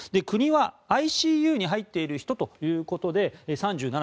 国はＩＣＵに入っている人ということで３７．２％。